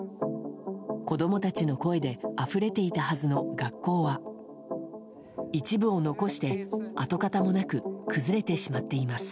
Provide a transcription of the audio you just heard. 子供たちの声であふれていたはずの学校は一部を残して跡形もなく崩れてしまっています。